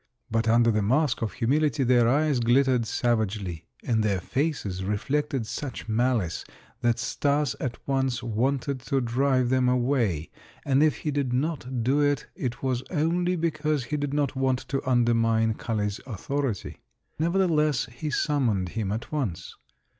But under the mask of humility their eyes glittered savagely and their faces reflected such malice that Stas at once wanted to drive them away, and if he did not do it, it was only because he did not want to undermine Kali's authority. Nevertheless, he summoned him at once.